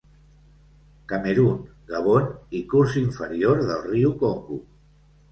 Camerun, Gabon i curs inferior del riu Congo.